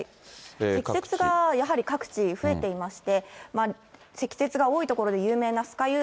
積雪がやはり各地、増えていまして、積雪が多い所で有名な酸ケ